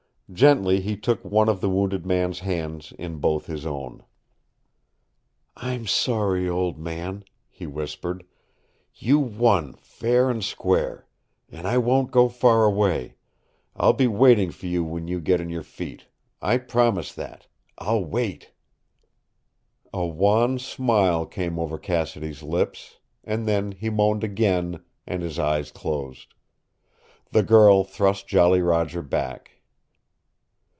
Gently he took one of the wounded man's hands in both his own. "I'm sorry, old man," he whispered. "You won, fair and square. And I won't go far away. I'll be waiting for you when you get on your feet. I promise that. I'll wait." A wan smile came over Cassidy's lips, and then he moaned again, and his eyes closed. The girl thrust Jolly Roger back.